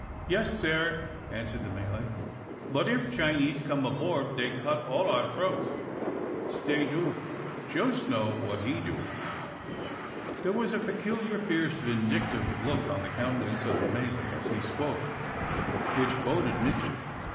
"Yes, sare," answered the Malay; "but if Chinese come aboard, dey cut all our throats. Stay do Jos know what he do." There was a peculiar, fierce, vindictive look on the countenance of the Malay as he spoke, which boded mischief.